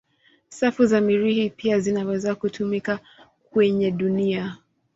Safu za Mirihi pia zinaweza kutumika kwenye dunia.